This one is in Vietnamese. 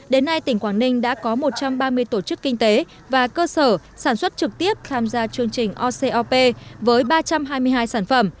đến nay tỉnh quảng ninh đã có một trăm ba mươi tổ chức kinh tế và cơ sở sản xuất trực tiếp tham gia chương trình ocop với ba trăm hai mươi hai sản phẩm